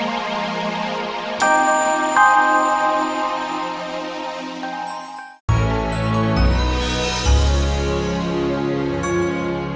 hanya bisa kamu menjelaskan singanya